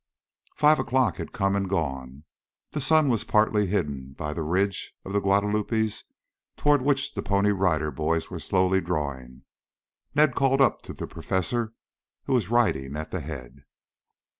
Five o'clock had come and gone. The sun was partly hidden by the ridge of the Guadalupes towards which the Pony Rider Boys were slowly drawing. Ned called up to the professor who was riding at the head.